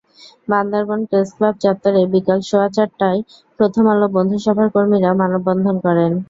Bandarban press club চত্বরে বিকেল সোয়া চারটায় প্রথম আলো বন্ধুসভার কর্মীরা মানববন্ধন করেন।